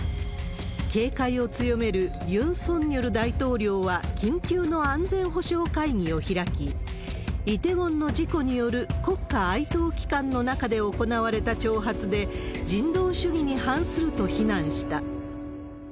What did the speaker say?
警戒を強めるユン・ソンニョル大統領は、緊急の安全保障会議を開き、イテウォンの事故による国家哀悼期間の中で行われた挑発で、人道主義に反すると非難した。